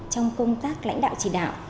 trong công tác đảnh đạo chỉ đạo